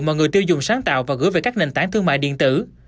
mà người tiêu dùng sáng tạo và gửi về các nền tảng thương mại điện tử